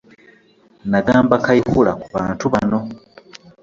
“Nnagamba Kayihura ku bantu bano.